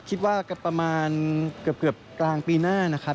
คิดว่าประมาณเกือบกลางปีหน้านะครับ